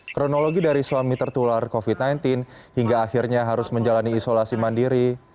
kronologi dari suami tertular covid sembilan belas hingga akhirnya harus menjalani isolasi mandiri